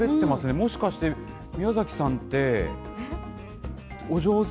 もしかして宮崎さんって、お上手？